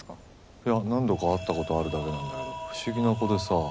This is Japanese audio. いや何度か会った事あるだけなんだけど不思議な子でさ。